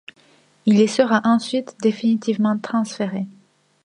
Il y sera ensuite définitivement transféré.